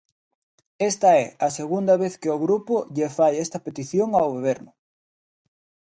Esta é a segunda vez que o grupo lle fai esta petición ao Goberno.